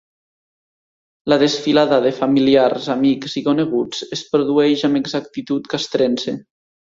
La desfilada de familiars, amics i coneguts es produeix amb exactitud castrense.